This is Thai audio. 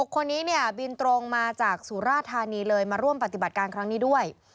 คนนี้เนี่ยบินตรงมาจากสุราธานีเลยมาร่วมปฏิบัติการครั้งนี้ด้วย